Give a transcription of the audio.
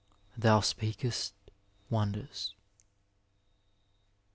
Thou speakest wonders.